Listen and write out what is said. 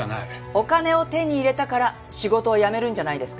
お金を手に入れたから仕事を辞めるんじゃないですか？